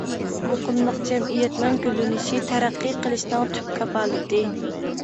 مۇقىملىق جەمئىيەتنىڭ گۈللىنىشى، تەرەققىي قىلىشىنىڭ تۈپ كاپالىتى.